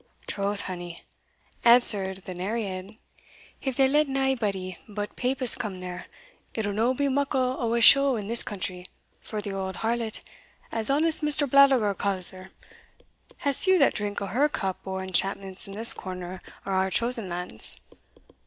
"Troth, hinny," answered the Nereid, "if they let naebody but papists come there, it'll no be muckle o' a show in this country, for the auld harlot, as honest Mr. Blattergowl ca's her, has few that drink o' her cup o' enchantments in this corner o' our chosen lands.